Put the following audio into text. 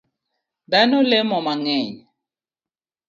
Dhano lemo mang'eny